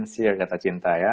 gak sincere kata cinta ya